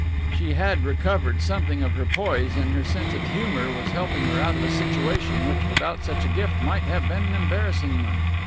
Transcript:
She had recovered something of her poise, and her sense of humour was helping her out of a situation which, without such a gift, might have been an embarrassing one.